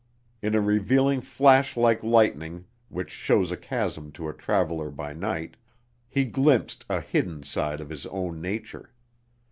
In a revealing flash like lightning which shows a chasm to a traveler by night, he glimpsed a hidden side of his own nature.